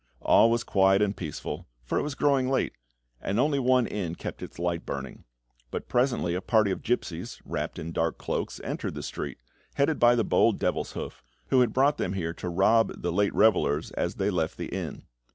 All was quiet and peaceful, for it was growing late, and only one inn kept its lights burning; but presently a party of gipsies, wrapped in dark cloaks, entered the street, headed by the bold Devilshoof, who had brought them there to rob the late revellers as they left the inn.